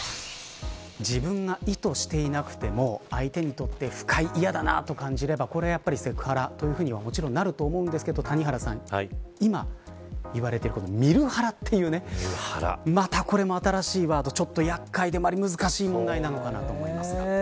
自分が意図していなくても相手にとって不快嫌だなと感じればこれはやっぱりセクハラというふうにはなると思うんですが谷原さん今言われている見るハラというねまた、これも新しいワードちょっと厄介でもあり難しい問題なのかなと思いますが。